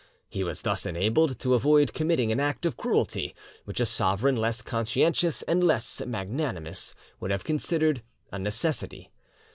He was thus enabled to avoid committing an act of cruelty, which a sovereign less conscientious and less magnanimous would have considered a necessity.